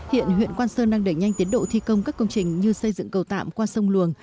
hiện huyện quan sơn đang đẩy nhanh tiến độ thi công các công trình như xây dựng cầu tạm qua sông luồng